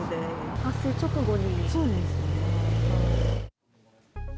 発生直後に？